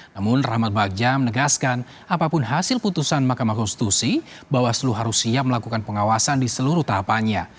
namun rahmat bagja menegaskan apapun hasil putusan mahkamah konstitusi bawaslu harus siap melakukan pengawasan di seluruh tahapannya